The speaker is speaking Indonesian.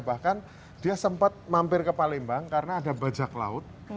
bahkan dia sempat mampir ke palembang karena ada bajak laut